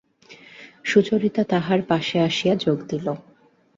সুচরিতা তাঁহার পাশে আসিয়া যোগ দিল!